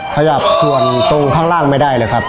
ขยับส่วนตรงข้างล่างไม่ได้เลยครับ